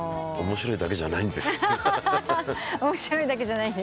「面白いだけじゃないんです」